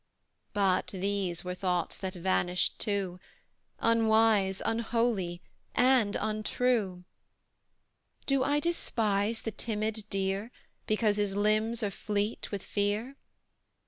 But these were thoughts that vanished too; Unwise, unholy, and untrue: Do I despise the timid deer, Because his limbs are fleet with fear?